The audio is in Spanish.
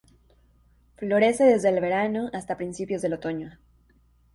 Florece desde el verano hasta principios del otoño.